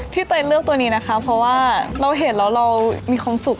เตยเลือกตัวนี้นะคะเพราะว่าเราเห็นแล้วเรามีความสุข